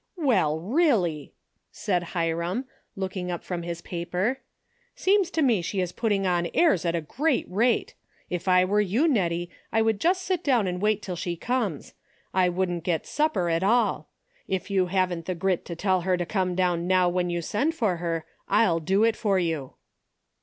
" Well, really !" said Hiram, looking up from his paper, "seems to me she is putting on airs at a great rate. If I were you, Nettie, I would just sit down and wait till she comes. I wouldn't get supper at all. If you haven't the grit to tell her to come down now when you send for her. I'll do it for you."